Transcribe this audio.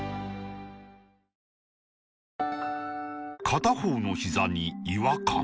片方のひざに違和感